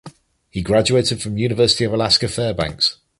He graduated from University of Alaska Fairbanks.